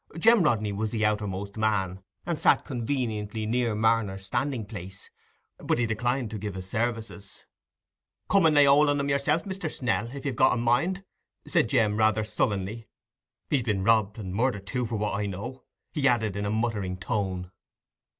Jem Rodney was the outermost man, and sat conveniently near Marner's standing place; but he declined to give his services. "Come and lay hold on him yourself, Mr. Snell, if you've a mind," said Jem, rather sullenly. "He's been robbed, and murdered too, for what I know," he added, in a muttering tone.